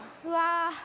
うわ